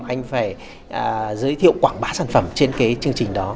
anh phải giới thiệu quảng bá sản phẩm trên cái chương trình đó